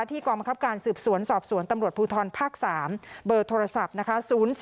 กองบังคับการสืบสวนสอบสวนตำรวจภูทรภาค๓เบอร์โทรศัพท์นะคะ